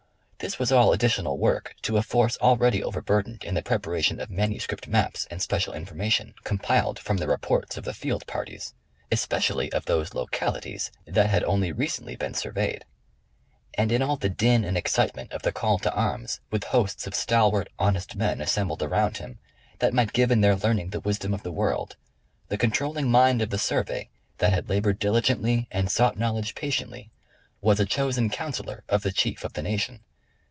This was all additional work to a force already overburdened in the preparation of manuscript maps and special information, compiled from the reports of the Field par ties ; especially of those localities that had only recently been surveyed. And in all the din and excitement of the call to arms, with hosts of stalwart, honest men assembled around him, that might give in their learning the wisdom of the world, the con trolling mind of the Survey, that had labored diligently and sought knowledge patiently, was a chosen counsellor of the Chief of the Nation.